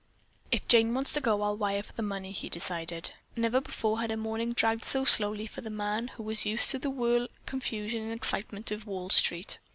"If Jane wants to go, I'll wire for the money," he decided. Never before had a morning dragged so slowly for the man who was used to the whirl, confusion and excitement of Wall Street.